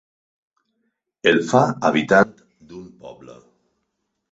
El fa habitant d'un poble.